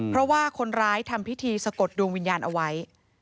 เพราะว่าคนร้ายทำพิธีสะกดดวงวิญญาณเอาไว้